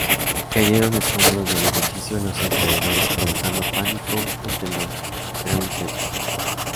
Cayeron escombros del edificio a los alrededores, provocando pánico entre los transeúntes.